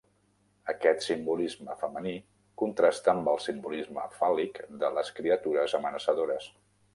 Aquest simbolisme femení contrasta amb el simbolisme fàl·lic de les criatures amenaçadores.